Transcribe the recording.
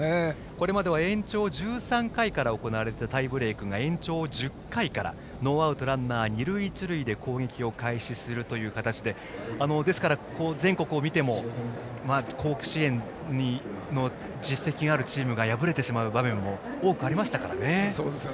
これまでは延長１３回から行われたタイブレークが延長１０回からノーアウトランナー、二塁一塁で攻撃を開始する形でですから、全国を見ても甲子園の実績があるチームが敗れてしまう場面も多くありましたからね。